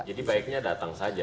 jadi baiknya datang saja